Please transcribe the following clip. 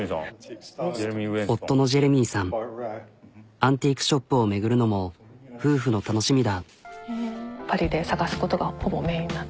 アンティークショップを巡るのも夫婦の楽しみだ。